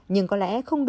nhưng có lẽ không đủ